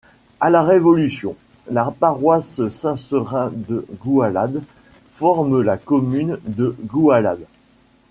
À la Révolution, la paroisse Saint-Seurin de Goualade forme la commune de Goualade.